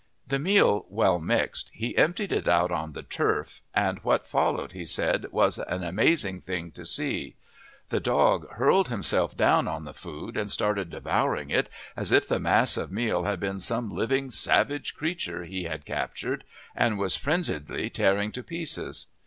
The meal well mixed he emptied it out on the turf, and what followed, he said, was an amazing thing to see: the dog hurled himself down on the food and started devouring it as if the mass of meal had been some living savage creature he had captured and was frenziedly tearing to pieces.